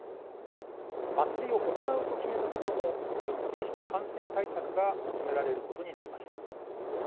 祭りを行うと決めたところも徹底した感染対策が求められることになりました。